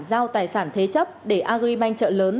giao tài sản thế chấp để agribank chợ lớn